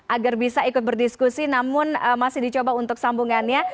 agar bisa ikut berdiskusi namun masih dicoba untuk sambungannya